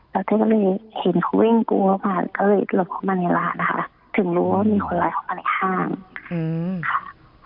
แล้วเจ๊ก็เลยเห็นเขาวิ่งกรูเข้ามาก็เลยหลบเข้ามาในร้านนะคะถึงรู้ว่ามีคนร้ายเข้ามาในห้างค่ะ